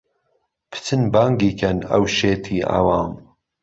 پچن بانگی کەن ئهو شێتی عهوام